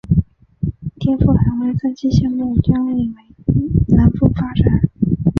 天赋海湾三期项目经理为南丰发展。